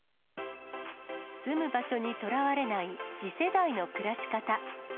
住む場所にとらわれない次世代の暮らし方。